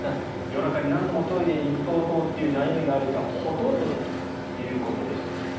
夜中に何度もトイレに行くという悩みがある人はほとんどだということです。